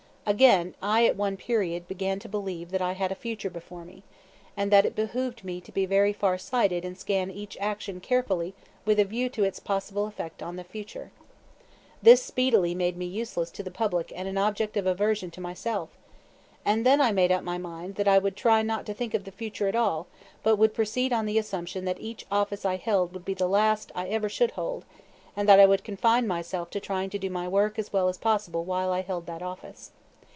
Again, I at one period began to believe that I had a future before me, and that it behooved me to be very far sighted and scan each action carefully with a view to its possible effect on that future. This speedily made me useless to the public and an object of aversion to myself; and I then made up my mind that I would try not to think of the future at all, but would proceed on the assumption that each office I held would be the last I ever should hold, and that I would confine myself to trying to do my work as well as possible while I held that office.